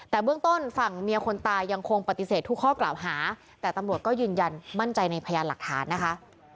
แต่เบื้องต้นฝั่งเมียคนตายยังคงปฏิเสธทุกข้อกล่าวหาแต่ตำรวจก็ยืนยันมั่นใจในพยานหลักฐานนะคะ